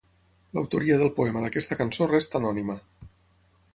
L'autoria del poema d'aquesta cançó resta anònima.